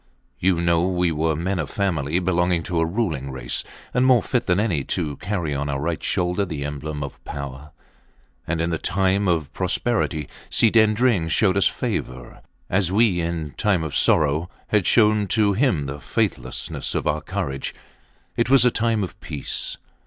You know we were men of family, belonging to a ruling race, and more fit than any to carry on our right shoulder the emblem of power. And in the time of prosperity Si Dendring showed us favour, as we, in time of sorrow, had showed to him the faithfulness of our courage. It was a time of peace.